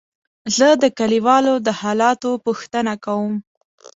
زه د کليوالو د حالاتو پوښتنه کوم.